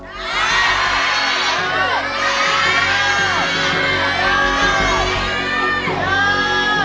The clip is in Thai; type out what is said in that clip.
ร้องได้ให้ล้าน